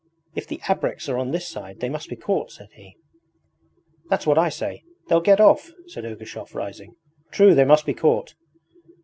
If the ABREKS are on this side they must be caught,' said he. 'That's what I say. They'll get off,' said Ergushov, rising. 'True, they must be caught!'